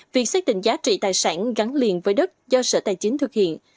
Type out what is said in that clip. việc xác định giá trị tài sản gắn liền với đất do sở tài chính thực hiện